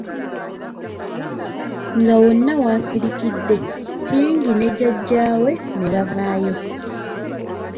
Nga wonna wasiriikiridde, Tingi ne jjajja we ne bavaayo.